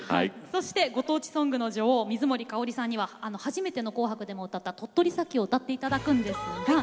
そしてご当地ソングの女王水森かおりさんには初めての「紅白」でも歌った「鳥取砂丘」を歌って頂くんですが。